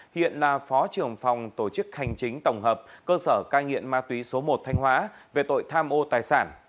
hiện là phó trưởng phòng tổ chức hành chính tổng hợp cơ sở cai nghiện ma túy số một thanh hóa về tội tham ô tài sản